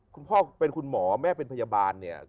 คุณพ่อเป็นคุณหมอแม่เป็นพยาบาลเนี่ย